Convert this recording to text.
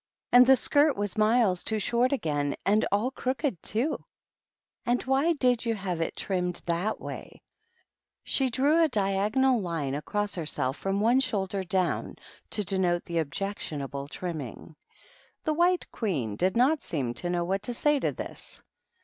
And the skirt was miles too short again, and all crooked, too. And why did you have it trimmed that way?" She 13* 150 THE RED QUEEN AND THE DUCHESS. drew a diagonal line ' across herself from one shoulder down, to denote the objectionable trim ming. The White Queen did not seem to know what to say to this.